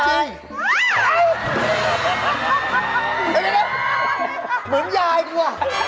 เหมือนยายด้วย